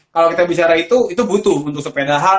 kalau kita bicara itu itu butuh untuk sepeda hal